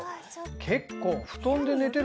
結構。